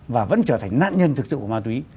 và vẫn trở thành nạn nhân thực sự của ma túy